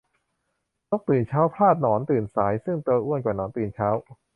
นกตื่นเช้า พลาดหนอนตื่นสาย ซึ่งตัวอ้วนกว่าหนอนตื่นเช้า